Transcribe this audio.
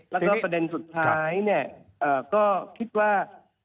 แล้วก็ประเด็นสุดท้ายก็คิดว่า